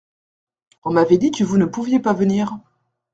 On m’avait dit que vous ne pouviez pas venir.